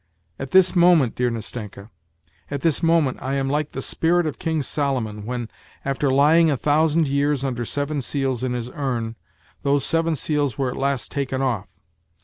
At this ifTOrnent, dear Nastenka, at this moment I am like the spirit of King Solomon when, after lying a thousand years under seven seals in his urn, those seven seals were at last taken off.